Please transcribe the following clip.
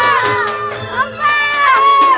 eh gempa gempa gempa